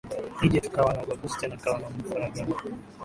ije tukawa na ubaguzi tena tukawa na mfaragano